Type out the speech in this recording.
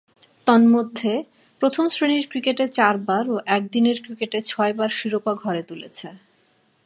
তন্মধ্যে, প্রথম-শ্রেণীর ক্রিকেটে চারবার ও একদিনের ক্রিকেটে ছয়বার শিরোপা ঘরে তুলেছে।